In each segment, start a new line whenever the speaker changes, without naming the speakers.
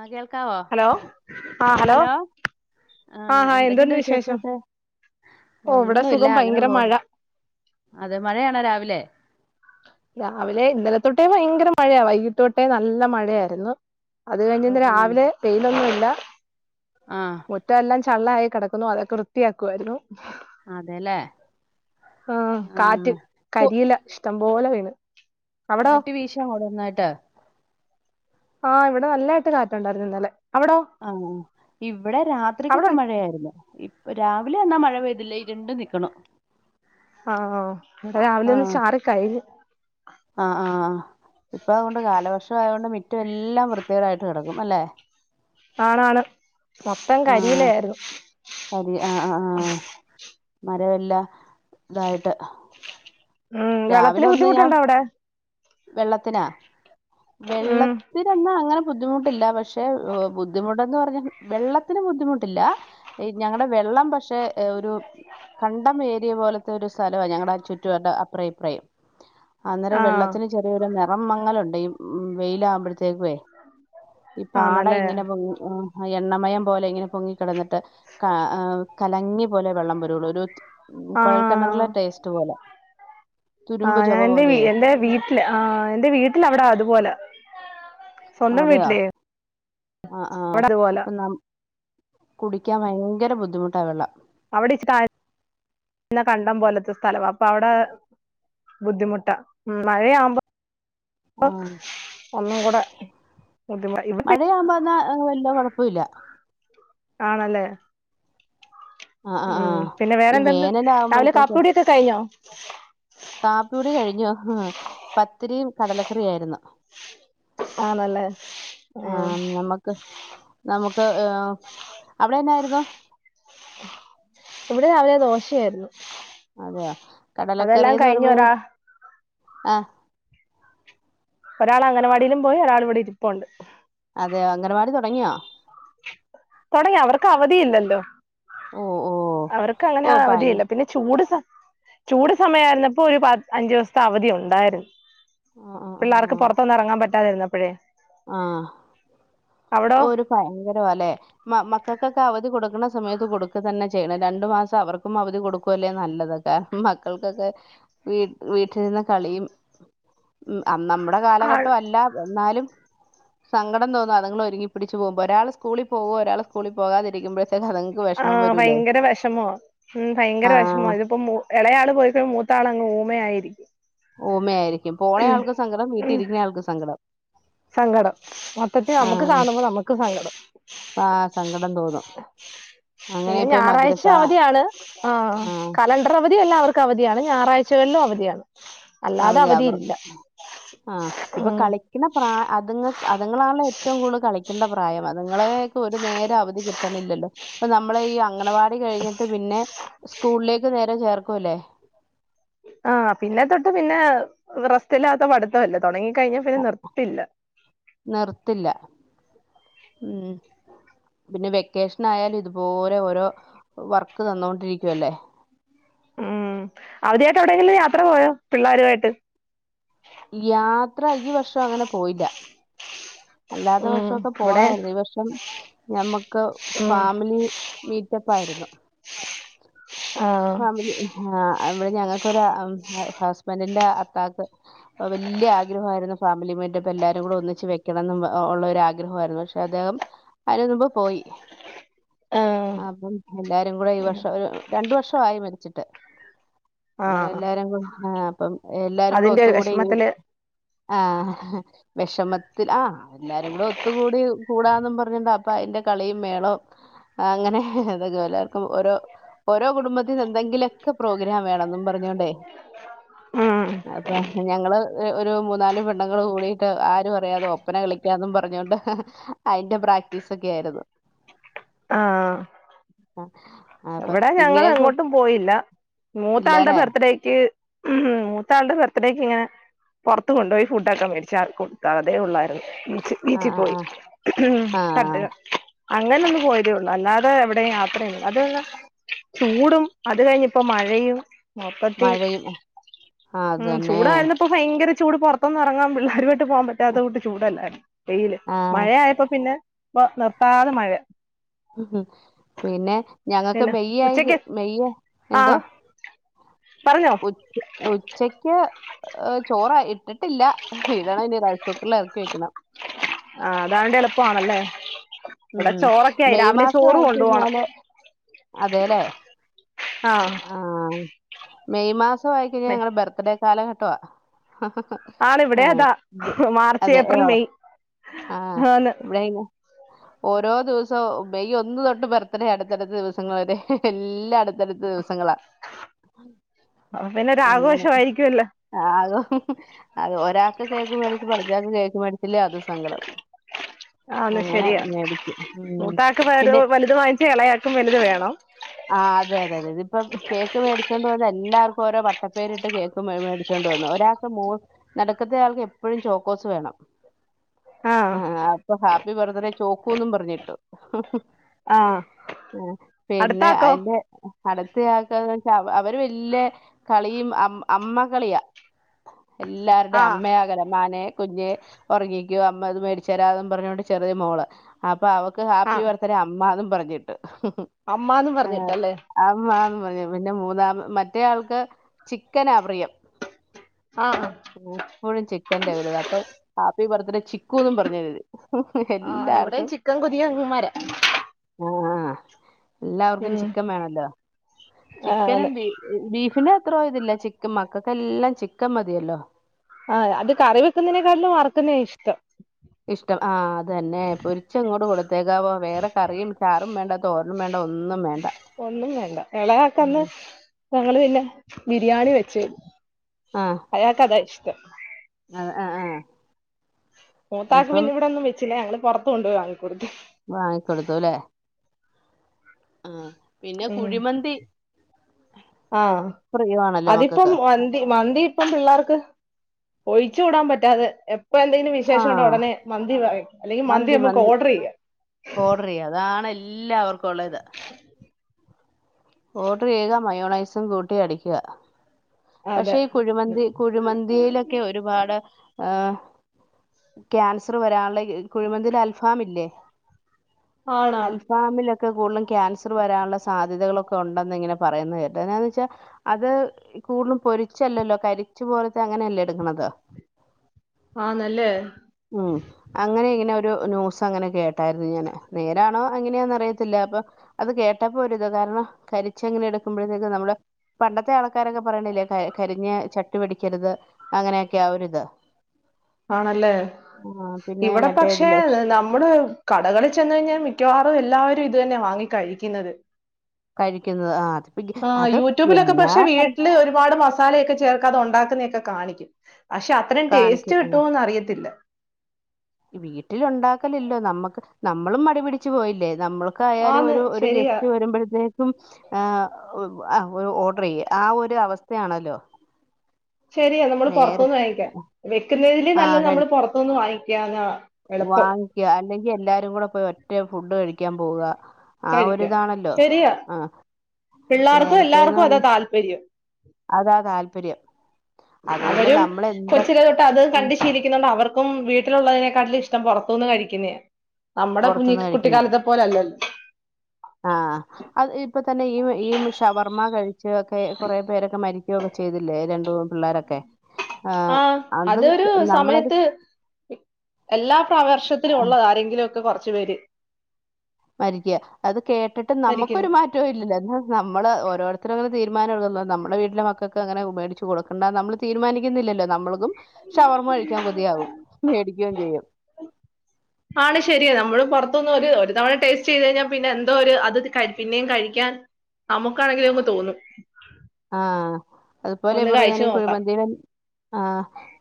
ആ കേൾ
ഹലോ ആ ഹലോ
ആ എന്തൊക്കെയുണ്ട് വിശേഷം ഒക്കെ
ഓ ഇവിടെ
ഒന്നും ഇല്ല
സുഖം
അങ്ങനെ
ഭയങ്കര മഴ
പോണു അതെ മഴയാണോ രാവിലെ
രാവിലെ ഇന്നലത്തോട്ടേ ഭയങ്കര മഴയ വൈകീട്ട് തൊട്ടേ നല്ല മഴയായിരുന്നു അത്
ഓ
കഴിഞ്ഞിന്ന്
ഓ
രാവിലെ വെയിലൊന്നും ഇല്ല
ആഹ്
ചള്ളായി കിടക്കുന്നു അതൊക്കെ വൃത്തിയാക്കുവായിരുന്നു
അതെല്ലേ
ആ
ആഹ്
കാറ്റ്
പൊ
കരിയില ഇഷ്ടം പോലെ വീണ് അവിടോ
കാറ്റ് വീശിയ മുടന്നായിട്ട്
ആഹ് ഇവിടെ നല്ലായിട്ട് കാറ്റ് ഉണ്ടായിരുന്നു ഇന്നലെ അവിടോ
ആഹ് ഇവിടെ
അവിടെ
രാത്രിക്കൊക്കെ മഴയായിരുന്നു രാവിലെ എന്നാൽ മഴ പെയ്തില്ല ഇരുണ്ട് നിക്കുണു
ആഹ് ഇവിടെ രാവിലെ ഒന്ന് ചാറിക്കഴിഞ്ഞു
ആഹ് ആഹ് ഇപ്പ അതുകൊണ്ട് കാലവർഷം ആയതുകൊണ്ട് മിറ്റം എല്ലാം വൃത്തികേടായിട്ട് കിടക്കും അല്ലെ
ആണാണ് മൊത്തം കരിയില
ആഹ്
ആയിരുന്നു
കരി ആ ആ ആ മരവെല്ലാം ഇതായിട്ട്
ഉം വെള്ളത്തിന്
രാവിലെ ഒന്ന് ഞാൻ
ബുദ്ധിമുട്ടുണ്ടോ അവിടെ
വെള്ളത്തിനാ
ഉം
വെള്ളത്തിന് എന്നാ അങ്ങനെ ബുദ്ധിമുട്ടില്ല പക്ഷേ ബുദ്ധിമുട്ടന്ന് പറഞ്ഞ വെള്ളത്തിന് ബുദ്ധിമുട്ടില്ല ഈ ഞങ്ങളുടെ വെള്ളം പക്ഷെ ഒരു കണ്ടം ഏരിയ പോലത്തെ ഒരു സ്ഥലവാ ഞങ്ങളുടെ ആ ചുറ്റുവട്ടം അപ്പുറവും ഇപ്പറേയും അന്നേരം
ആ
വെള്ളത്തിന് ചെറിയൊരു നിറം മങ്ങലുണ്ടയും ഉം വെയിലാവുമ്പോഴത്തേക്കുവേ ഈ
ആ
പാടം
നല്ലയാ
ഇങ്ങനെ പൊങ്ങി എണ്ണമയം പോലെ ഇങ്ങനെ പൊങ്ങിക്കിടന്നിട്ട് കലങ്ങിയ പോലെ വെള്ളം വരുള്ളൂ ഒരു ഉ
ആ
കൊഴൽക്കിണറിലെ ടേസ്റ്റ് പോലെ തുരുമ്പ്
ആഹ് ഞാൻ
ചൊവ പോലെയേ
എന്റെ വീട്ടില് ആഹ് എന്റെ വീട്ടിൽ അവിടെ അത് പോല സ്വന്തം
അതെയോ
വീട്ടിലെ
ആഹ് ആഹ്
അവിടത്പോല
അപ്പം നം കുടിക്കാൻ ഭയങ്കര ബുദ്ധിമുട്ടാ വെള്ളം
അവിടെ ഇച്ചി കണ്ടം പോലത്തെ സ്ഥലവ അപ്പൊ അവിടെ ബുദ്ധിമുട്ടാ ഉം മഴയാവുമ്പോ ഒന്നും കൂടെ ബുദ്ധിമു ഇവിടെ
മഴയാവുമ്പോന്നാ വല്യ കുഴപ്പവില്ല
ആണല്ലേ
ആഹ് ആഹ്
ഉം
ആഹ്
പിന്നെ
ഈ
വേറെന്തണ്ട് രാവിലെ
വേനലാവുമ്പോഴത്തേക്ക്
കാപ്പികുടിയൊക്കെ കഴിഞ്ഞോ
കാപ്പികുടി കഴിഞ്ഞു പത്തിരിയും കടലക്കറിയായിരുന്നു
ആണല്ലേ
ആഹ് നമുക്ക് നമുക് ക്ക് ഏഹ് അവിടെന്നായിരുന്നു
ഇവിടെ രാവിലെ ദോശയായിരുന്നു
അതെയോ
അതെല്ലാം
കടലക്കറീന്ന്
കഴിഞ്ഞ്
പറ
ഒരാ
ആഹ്
ഒരാൾ അംഗനവാടിയിലും പോയി ഒരാൾ ഇവിടെ ഇരിപ്പുണ്ട്
അതെ അംഗൻവാടി തുടങ്ങിയോ
തുടങ്ങി അവർക്ക് അവധി ഇല്ലല്ലോ
ഓഹ് ഓഹ്
അവർക്ക് അങ്ങനെ
ഓഹ് ഭയ
അവധിയില്ല പിന്നെ ചൂട് സ ചൂട് സമയമായിരുന്നപ്പോ ഒരു അഞ്ചു ദിവസത്തെ അവധി ഉണ്ടായിരുന്നു
ആഹ് ആഹ്
പിള്ളേർക്ക്
ആഹ്
പുറത്തൊന്നും ഇറങ്ങാൻ പറ്റാതിരുന്നപ്പഴേ
ആഹ് ഒരു ഭയങ്കരവല്ലെ മക്കൾക്കൊക്കെ അവധി കൊടുക്കണ സമയത്ത് കൊടുക്കുക തന്നെ ചെയ്യണം രണ്ടു മാസം അവർക്കും അവധി കൊടുക്കുവല്ലേ നല്ലത് ആ മക്കൾക്കൊക്കെ വീ വീട്ടിൽര് ന്ന് കളിയും
[unintelligible]
മ്മ് അ നമ്മടെ
ആൾ
കാലഘട്ടം അല്ല എന്നാലും സങ്കടം തോന നിങ്ങൾ ഒരുങ്ങി പിടിച്ച് പോവു മ്പോ ഒരാൾ സ്കൂള് പോവ ഒരാൾ സ്കൂള് പോകാതിരിക്കുമ്പോ
ആ ഭയങ്കര വഷമോ മ്മ് ഭയങ്കര
ആ
വഷമോ ഇതിപ്പോ മ ഇളയാള് പോയിക്ക മൂത്താളങ്ങ [unintelligible]
ഓമ്മ ആായിരിക്കും പോളയാൾക്ക് സങ്കടം വീട്ടിലിരിക്കുന്ന ആൾക്ക് സങ്കടം
സങ്കടം മൊത്തത്തി
ആ
നമ്മക്ക് കാണുമ്പോ നമ്മക്ക് സങ്കടം
[unintelligible] അങ്ങനെ
പിന്നെ
ഇപ്പൊ ഈ
ഞായറാഴ്ച്ച
മദ്രസ
അവധിയാണ് അ ആ കലണ്ടർ അവധിയല്ല അവർക്ക് അവധിയാണ് ഞായറാഴ്ചകളിലും അവധിയാണ്
[unintelligible]
അല്ലാതെ
അവധി അവർ
അവധിയില്ല
ആഹ ഇപ്പൊ
ഉം
കളിക്ണ ആ അതുങ്ങക്ക് അതുങ്ങളാണല്ലോ ഏറ്റവും കൂടുതൽ കളിക്കണ്ട പ്രായം അതുങ്ങളേക് ഒരു നേരം അവധി കിട്ട് ണില്ല ല്ല നമ്മള ഈ അങ്ങണവാ കഴിഞ്ഞിട്ട് പിന്നെ സ്കൂളേക്ക് നേരെ ചേർക്കൂ ല്ലേ
ആ പിന്നെ തൊട്ട് പിന്നെ റസ്റ്റ് ഇല്ലാത്ത പടിത്ത തൊടങ്ങി ക്കഴിഞാ പിന്നെ നിർത്തില്ല
മ്മ് പിന്നെ വെക്കേഷൻ ആയാലും ഇതുപോലെ ഓരോ വർക്ക് തന്നൊണ്ടിരിക്കുവല്ലേ
മ്മ് അവധിയായിട്ട് എവിടെങ്കിലും യാത്ര പോയോ പിള്ളേരുആയിട്ട്
യാത്ര ഈ വർഷം അങ്ങനെ പോയില്ല അല്ലാത്ത
ഉം
വർഷക്കെ
ഇവിടെ
പോണായിരുന്നു ഈ വർഷം ഞമ്മക്ക്
ഉം
ഫാമിലി മീ [unintelligible]
ആഹ്
ഫമിലി [unintelligible] അവിടെ ഞങ്ങൾക്കൊരു ഹസ്ബന്റിന്റെ അത്താക്ക് വല്ല്യ ആഗ്രഹായിരുന്നു ഫാമിലി [unintelligible] എല്ലാരും കൂടെ ഒന്നിച്ചു വെക്കണംന്നും ഉള്ള ഒരു ആഗ്രഹായിരുന്നു പക്ഷെ അദ്ദേഹം അതിന് മുമ്പ് പോയി
ആഹ്
അപ്പം എല്ലാരും കൂടെ ഈ വർഷം ഒരു രണ്ട വർഷ ആയി മരിച്ചിട്ട് അങ്ങനെ
ആഹ്
എല്ലാരും കൂടേ ആ എല്ലാരും കൂടെ
അതിന്റെ ഒരു
ഒത്തുകൂടി ഈഒരു
വിഷമത്തില്
ആഹ് വഷമത്തിൽ ആഹ എല്ലാരും കൂടെ ഒത്തുകൂടി കൂടാന്നും പറഞ്ഞോണ്ട് അപ്പൊ അതിന്റെ കളിയും മേളവും അങ്ങനെ ഹ്‌ ഹ് അത ക്കെഎല്ലാർക്കും ഓരോ ഓരോ കുടുംബത്തിന് എന്തെങ്കിലൊക്കെ പ്രോഗ്രാം വേണെന്നും പറഞ്ഞോണ്ടേ
ഉം
അപ്പൊ ഞങ്ങള് ഒരു മൂന്നാലല് പെണ്ണ്ങ്ങൾ ങ്കൂടിട്ട് ആരും അറി യാതെ ഒപ്പന കളിക്കാന്നും പറഞ്ഞോണ്ട് ഹ് ഹ്‌ അയിന്റെ പ്ര പ്രാക്ടീസ് ഒക്കെ ആയിരുന്നു [inaudible]
ആഹ് ഇവിടെ ഞങ്ങൾ
ഇങ്ങനെയൊക്കെ
എങ്ങോട്ടും പോയില്ല
ഇല്ലാലേ
മൂത്താള്ടെബർത്ത്ഡേക്ക് ഉം മൂത്ത ആള്ടെ ബർത്ത്ഡേക്ക് ഞാൻ പൊറത്ത് കൊണ്ടോയി ഫുഡ്ക്കെ മേടിച്ചാൽ കൊടുത്താ അതേ ഉള്ളാര് ഈച്ച്
ആഹ് ആഹ്
ഈച്ചിപ്പോയി
ആഹ്
ഇഹ് ഹ്
ആഹ്
തട്ട്ക അങ്ങനൊന്ന് പോയതേള്ളൂ അല്ലാതെ എവിടെ യാത്ര അത് ചൂടും അത് കഴിഞ്ഞിപ്പംമഴയും മൊപ്പത്തി
മഴയും ആഹ്
ഉം
അതന്നെ
ചൂടായിര്ന്നപ്പോ ഫയങ്കര ചൂട് പൊറത്തൊന്നും എറങ്ങാൻ പിള്ളേരുവായിട്ട് പോവുമ്പത്തേത്ത് [unintelligible] ചൂടല്ലേ പെയില്
ആഹ്
മഴയായപ്പൊ പിന്നെ ഇപ്പൊ നിർത്താതെ മഴാ
ഉം ഉം പിന്നെ ഞങ്ങക്ക്
പിന്നെ
മെയ്യായിക്
ഉച്ചക്ക് ആ
മെയ്യ്എന്തോ
പറഞ്ഞോ
ഉച് ഉച്ചക്ക് ചോറാഇട്ടിട്ട് ട്ടില്ല ഇടണന് റൈസ് കുക്കറില് എറക്കി വെക്കണം
ആ അതാണ്ട് എളുപ്പാണല്ലേ ഇവിടെ
ഉം
ചോറൊക്കേയി
മെയ്
രാവിലെ
മാസം
ചോറ് കൊണ്ടുവോണം
ആയിക്കഴിഞ്ഞാല് അതേല്ലേ
ആ
ആഹ് മെയ് മാസം വായിക്കഴിഞ്ഞാ ഞങ്ങളടെ ബർത്ത്ഡേ കാലഘട്ടവാ ആഹ ഹാ
ആണ് ഇവിടെ
ഹാ
അതാ മാർച്ച്
അതെ
ഏപ്രിൽ
അ്യോ
മെയ്
ആഹ
ആന്ന്
എവിടൊയിന ഓരോ ദിവസം മെയ് ഒന്ന് തൊട്ട് പർത്തഡേ അടുത്തടുത്ത ദിവസങ്ങൾ വരെ എല്ലാംടു
അപ്പൊ പിന്നെ ഒരാഘോഷമായിരിക്കുമല്ലോ
[unintelligible] ഹ് ല്ലേ അതും സങ്കടം
ആന്ന്
അങ്ങനെ.
ശരിയാ
മേടിക്കും ഉം
മൂത്താക്ക്
പിന്നെ
[unintelligible] വലുത് വാങ്ങിച്ച എളയാക്കും വലുത് വേണം.
ആഹ് അതെതെ അതെ ഇതിപ്പം കേക്ക് മേടിച്ചോണ്ട് വന്ന് എല്ലാവർക്കും ഓരോവട്ടപ്പേരിട്ട് കേക്ക് മെ മേടിച്ചൊണ്ട് വന്നു ഒരാൾക്ക് മോ നട്ക്ത്തെ ആൾക്ക് എപ്പോഴും ചോക്കോ [unintelligible] വേണം.
ആഹ്.
[unintelligible] വെറുതെനെ ചോക്കൂന്നും പറഞ്ഞിട്ടു. ഹ്
ആ
ആ പിന്നെ
അടുത്താക്കോ
അയിന്റെ അടത്തയാക്കാ പ്പവ അവര് വല്ല്യ കളിയും അ അമ്മ കളിയാ.
ആ
എല്ലാരുടെയും അമ്മ ആകലമാനെ. കുഞ്ഞെ അപ്പൊ അവക്ക് ഹാ
ആ
ഹ് ഹ് അ അമ്മന്ന് പർ
അമ്മാന്നും പറഞ്ഞിട്ടല്ലേ
പിന്നെ മൂന്നാം മറ്റേയാൾക്ക് ചിക്കൻ ആ.. പ്രിയം.
ആ ആ
[inaudible] ചിക്കുന്നും പറഞ്ഞെഴുതി ഹ്.
ആഹ് ഇവിടെയും ചിക്കൻ കൊതിയൻന്മാരാ.
ആഹ്. എല്ലാവർക്കും ചിക്കൻ വേണല്ലോ
ആണ്
ചിക്കനും ബീ ബീഫിന്റെ അത്രോ ഇതില്ല. മക്കൾക്കെല്ലാം ചിക്കൻ മതിയല്ലോ.
[inaudible]
ഇഷ്ട്ടം ആഹ്. അതന്നെ പൊരിച്ചങ്ങോട്ട് കൊടുത്തേകാവോ വേറെ കറിയും ചാറും വേണ്ട തോരനും വേണ്ട ഒന്നും വേണ്ട.
ഒന്നും വേണ്ട എളയാക്കന്ന്.
ഉം.
ഞങ്ങള് പിന്നെ ബിരിയാണി വെച്ച്
ആ
അയാൾക്കതാ ഇഷ്ട്ടം.
അത് ആ.. ആ.. ഹ്.
മൂത്താക്ക് പിന്നെ ഇവിടൊന്നു വെച്ചില്ല ഞങ്ങള് പുറത്ത് കൊണ്ടോയി വാ
വാങ്ങിക്കൊടുത്തുലെ? ആഹ്.
ഉം ആഹ്
പ്രിയമാണല്ലോ
അതിപ്പം
മക്കൾക്ക്
മന്തി മന്തി. പ്പം പിള്ളേർക്ക് ഒഴിച്ചു കൂടാൻ പറ്റാതെ എ ഇപ്പൊ എന്തെങ്കിലും
ആ
വിശേഷംണ്ടോ ഉടനെ മന്തി വ ഹ് അല്ലെങ്കി മന്തി മ്മക്ക് ഓഡർ യ്യാം.
ഓഡ്റെയ്യാ അതാണ് എല്ലാവർക്കും ഉള്ള ത്. ഓഡർ ചെയ്യുക മയോണൈസും കൂട്ടി അടിക്കുഅ. പക്ഷെ
അതെ
ഈ കുഴിമന്തി കുഴിമന്തിയിലൊക്കെ ഒരുപാട് ഏ ക്യാൻസർ വരാനുള്ള ഹ് കുഴിമന്തിടെ അൽഫാമില്ലേ.
ആണോ
അൽഫാമി [unintelligible] കൂടുതലും ക്യാൻസർ വരാനുള്ള സാധ്യതകളൊക്കെ ഉണ്ടെന്ന് ഇങ്ങനെ പറയുന്നത് കേട്ട് എന്താന്ന് വെച്ചാൽ അത് കൂടുതലും പൊരിച്ചല്ലല്ലോ കരിച്ച പോലത്തെ അങ്ങനെയല്ലേ എടുക്കണത്.
ആന്നല്ലേ
ഉം അങ്ങനെ ഇങ്ങനെ. ഒരു ന്യൂസങ്ങനെ കേട്ടായിരുന്നു ങ്ങനെ നേരാണോ എങ്ങന അറിയത്തില്ല പ്പൊ അത്‌ കേട്ടപ്പോ ഒരിത് കാ രണം കരിച്ചങ്ങനെ എടുക്കുമ്പഴേത്തേക്ക് നമ്മള് പണ്ടത്തെ ആൾക്കാരൊ പറയണില്ലേ ക കരിഞ്ഞെ ചട്ടി വടിക്കരുത് അങ്ങനെയൊക്കെ ആ ഒരിത്.
ആണല്ലേ?
ആ പിന്നെ
ഇവിടെ
മറ്റേ
പക്ഷേ
ഇതില്ലേ
നമ്മള് കടകളിൽ ചെന്നഴിഞ്ഞാൽ മിക്കവാറും എല്ലാവരും ഇ തു തന്നെ വാങ്ങി കഴിക്കുന്നത്.
കഴിക്കുന്നത് ആ അതിപ്പ
ആ
അത്
യൂറ്റുബിലൊക്കെ
എന്നാ
പക്ഷെ
പറ
വീട്ടില് ഒരുപാട് മസാലൊക്കെ ചേർക്കാതെ ഉണ്ടാക്കുന്നൊക്കെ കാ കാണിക്കും പക്ഷെ അത്രയും ടേസ്റ്റ്
കാണിക്കും
കിട്ടോന്ന് അറിയത്തില്ല.
വീട്ടില് ഉണ്ടാക്കലല്ലോ നമ്മക്ക് നമ്മളും മടിപിടിച്ചു പോയില്ലേ. നമ്മൾക്കായാലും
ആന്ന്
ഒരു ഒരു
ശരിയാ
ഗസ്റ്റ് വരുമ്പോഴത്തേക്കും ആ് ആ ഓർഡർ ചെയ്യ ആ ഒരു അവസ്ഥയാണല്ലോ
ശരിയാ നമ്മൾ
നേര
പുൊറത്തനിന്ന് വാങ്ങിക്ക വെക്കുന്നതില്
ആ
നല്ലത്
കഴി
നമ്മള് പുറത്തനിന്ന് വാങ്ങിക്കാനാ എളുപ്പം
വാങ്ങിക്ക അല്ലെങ്കി എല്ലാരും കൂടെ പോയി ഒറ്റ ഫുഡ് കഴിക്കാൻ പോവ ആ
കഴിക്കാം
ഒരിതാണല്ലോ
ശരിയാ
ആഹ
പിള്ളേർക്കും
നേരത്തേന്ന്
എല്ലാവർക്കും
പറ
അതാ താല്പര്യം
അതാ താല്പര്യം അതുകൊണ്ട്
അവരും
നമ്മൾ എന്തൊ
കൊച്ചില തൊട്ട് അത് കണ്ടു ശീലിക്കുന്നുണ്ട് അവർ ക്കും വീട്ടിലുള്ളതിനെക്കാട്ടിലും ഇഷ്ടം പുറത്തുനിന്ന് കഴിക്കുന്നേ നമ്മുടെഞ്ഞ കുഞ്ഞി
പുറത്തുന്ന് കഴിക്കുന്ന
കുട്ടിക്കാലത്തെ പോലെല്ലല്ലോ
ആ അത് ഇപ്പ തന്നെ ഈ ഈ ഷവർമ്മ കഴ ച്ച ഒക്കെ കുറെേ പേരൊക്കെ മരിക്കയൊക്കെ ചെയ്തില്ലേ രണ്ടു പിള്ളോരൊക്കെ
ആ അതൊരു
നമ്മളത്
സമയത്ത് എല്ലാ പ്രാവർഷത്തിലും ഉള്ളത് ആരെങ്കിലും ഒക്കെ കുറച്ചു പേര്
മരിക്കുക അത് കേട്ടിട്ട്
മരിക്കുന്നു
നമുക്കൊരു മാറ്റവും ഇല്ല എന്നാ നമ്മള് ഓരോരുത്തരും അങ്ങനെ തീരുമാനംടു നമ്മുടെ വീട്ടിലെ മക്കൾക്ക് അങ്ങനെ ഉ മേടച്ച് കൊടുക്കണ്ടന്ന് നമ്മള് തീരുമാനിക്കുന്നില്ലല്ലോ നമ്മൾക്കും ഷവർമ്മ കഴിക്കാൻ കൊതിയാവും മേടിക്കുകയും ചെയ്യും
ആണ് ശരിയ നമ്മളും പുറത്തൊന്ന് ഒരു തവണ ടേസ്റ്റ് ചെയ്ത് കഴിഞ്ഞാ പിന്നെ എന്തോ ഒരു അത് പിന്നെയും കഴിക്കാൻ നമുക്കാണെങ്കിലും അങ്ങ് തോന്നും
ആ അതുപോലെ
ഒന്ന്
പറ
കഴിച്ചു
ഞാനീ
നോക്കാം
കുഴിമന്ദീടെ ആ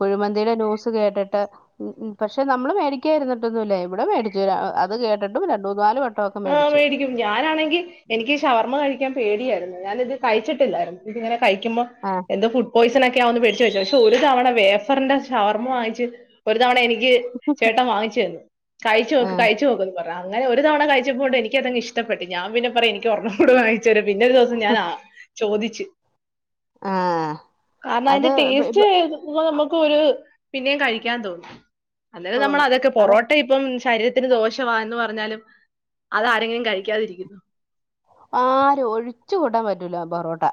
കുഴിമന്തിയുടെ ന്യൂസ് കേട്ടിട്ട് ഉ പക്ഷെ നമ്മള് മേടിക്കായിരുന്നിട്ടൊന്നുംല്ല ഇവിടെ മേടിച്ചു അത് കേട്ടിട്ടും രണ്ടൂ നാല് വട്ട്
ആ മേടിക്കും ഞാനാണെങ്കി എനിക്ക് ശഷവർമ്മ കഴി ക്കാ പേടിയായിരുന്നു ഞാനിത് കഴിച്ചിട്ടില്ലായിരുന്ന് ഇതിങ്ങനെ കഴിക്കുമ്പോ
ആ
എന്ത് ഫുഡ് പോയിസൺ പിേടിച്ചു വെച്ചു പക്ഷെ ഒരു തവണ വേഫറിന്റെ ശവർമ്മ വാങ്ങിച്ച് ഒരു തവണ എനിക്ക് ചേട്ടൻ വാങ്ങിച്ചു തന്നു കഴിച്ചു
ആ
നോക്ക കഴിച്ചു നോക്കന്ന് പറഞ്ഞ അങ്ങനെ ഒരു തവണ കഴ ചപ്പൊത് എനിക്കതങ്ങ് ഇഷ്ടപ്പെട്ട ഞാ പിന്നെപറയും എനിക്ക് ഒരെണ്ണം കൂടെ വങ്ങിചെരൂ പിന്ന ഒരു ദിവസം ഞാനാ ആ ചോദിച്ച്
ആ
കാരണം
അത്
അതിന്റെ
ഇപ്പൊ-
ടേസ്റ്റ്
ഇപ്പൊ
നമുക്ക് ഒരു പിന്നെയും കഴിക്കാൻ തോന്നും അന്നോല നമ്മൾ
തോന്നും
അതൊക്കെ
അത്
പൊറോട്ട ഇപ്പം ശരീരത്തിന് ദോഷമാന്ന് പറഞ്ഞാലും അതാരെങ്കിലും കഴിക്കാതിരിക്കുന്നു
ആരും ഒഴിച്ചു കൂടാൻ പറ്റൂല ബൊറോട്ട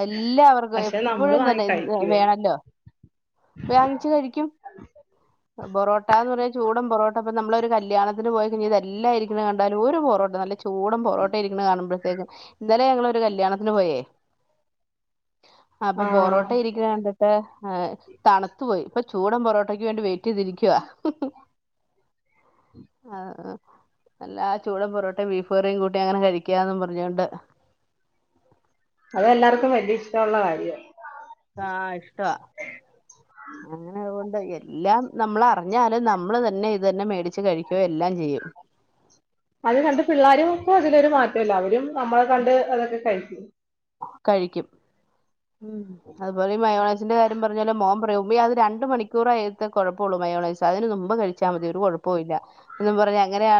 എല്ലാവർക്കും
പക്ഷെ നമ്മള്
എപ്പോഴും
വാങ്ങി
തന്നെ
കഴിക്കുവേ
വേണല്ലോ വാങ്ങിച്ച കഴിക്കും പൊറോട്ട എന്ന് പറഞ്ഞ ചൂടും പൊറോട്ട ഇപ്പ നമ്മള ഒരു കല്യാണത്തിന് പോയിഴിഞ്ഞാ ത് എല്ലായിരിക്കണകണ്ടാലും ഒരു പൊറോട്ട നല്ല ചൂ ചൂടും പൊറോട്ട ഇരിക്കണ കാണുമ്പോഴത്തേക്കും ഇന്നലെ ഞങ്ങളൊ ഒരു കല്യാണത്തിന് പോയേ അപ്പൊ
ആഹ്
ബൊറോട്ട ഇരിക്കുന്ന അണ്ടത്തെ ആഹ് തണുത്തു പോയി ഇപ്പൊ ചൂട പൊറോട്ടക്ക് വേണ്ടി വെയിറ്റ് ചെയ്തിരിക്കുവ ആ അല്ല ചൂടം പൊറോട്ടയും ബീഫ് കറിയും കൂട്ടി അങ്ങനെ കഴിക്കന്നന്ന് പറഞ്ഞോണ്ട്
അതെല്ലാർക്കും വലിയ ഇഷ്ടമുള്ള കാര്യ
ആഹ ഇഷ്ടവാ അങ്ങനെതുകൊണ്ട് എല്ലാം നമ്മള അറിഞ്ഞാല് നമ്മള് തന്നെ ഇത് തന്നെ മേടിച്ചു കഴിക്കുകയോ എല്ലാം ചെയ്യും
അത് കണ്ട് പിള്ളേരു ഒക്കും അതിലൊരു മാറ്റല്ല അവരും നമ്മളെ കണ്ട് അതൊക്കെ കഴിക്കും
കഴിക്കും ഉ അതുപോലെ ഈ മയോണാസിന്റെ കാര്യം പറഞ്ഞാല മോൻ പറ ഉമ്മി അത് രണ്ട് മണിക്കൂറ ആയത്തെ കുഴപ്പള്ളൂ മയോ അതിന് മുമ്പ് കഴിച്ചാൽ മതി ഒരു കുഴപ്പവും ഇല്ല എന്ന് പറഞ്ഞ അങ്ങനെയ